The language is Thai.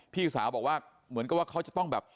พี่สาวว่าเขาจะต้อง